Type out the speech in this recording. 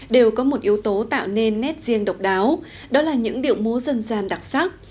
đều có một yếu tố tạo nên nét riêng độc đáo đó là những điệu múa dân gian đặc sắc